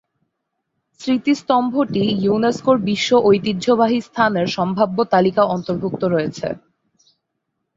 স্মৃতিস্তম্ভটি ইউনেস্কোর বিশ্ব ঐতিহ্যবাহী স্থানের "সম্ভাব্য তালিকা" অন্তর্ভুক্ত রয়েছে।